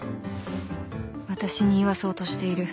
私に言わそうとしている。